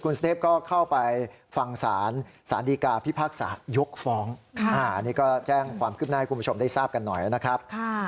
นี่ก็แจ้งความคืบหน้าให้คุณผู้ชมได้ทราบกันหน่อยนะครับ